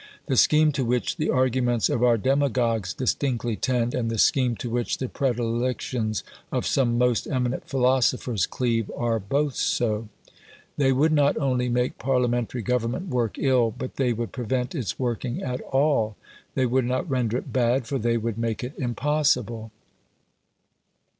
The scheme to which the arguments of our demagogues distinctly tend, and the scheme to which the predilections of some most eminent philosophers cleave, are both so. They would not only make Parliamentary government work ill, but they would prevent its working at all; they would not render it bad, for they would make it impossible.